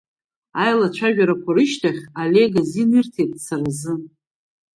Аилацәажәарақәа рышьҭахь Олег азин ирҭеит дцаразы.